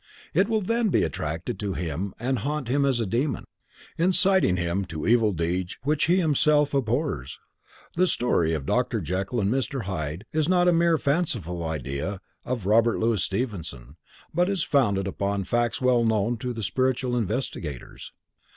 It will then be attracted to him and haunt him as a demon, inciting him to evil deeds which he himself abhors. The story of Dr. Jekyll and Mr. Hyde is not a mere fanciful idea of Robert Louis Stevenson, but is founded upon facts well known to spiritual investigators.